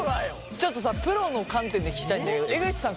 ちょっとさプロの観点で聞きたいんだけど江口さん